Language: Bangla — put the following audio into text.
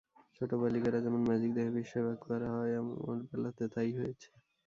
ছোট বালিকারা যেমন ম্যাজিক দেখে বিস্ময়ে বাক্যহারা হয় আমার বেলাতে তা-ই হয়েছে।